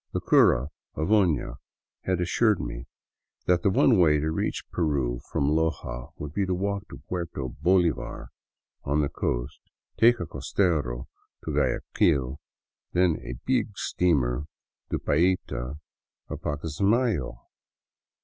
The cura of Ona had assured me that the one way to reach Peru from Loja would be to walk to Puerto Bolivar on the coast, take a coster o to Guayaquil, then a " big steamer " to Paita or Pacasmayo